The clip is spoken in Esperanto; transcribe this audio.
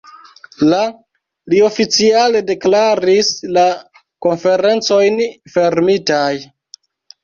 La li oficiale deklaris la Konferencojn fermitaj.